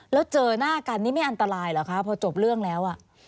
แล้วเจอหน้ากันนี่ไม่อันตรายเหรอคะพอจบเรื่องแล้ว